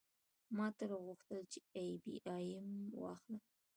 ما تل غوښتل چې آی بي ایم واخلم